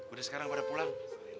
udah sekarang pada pulang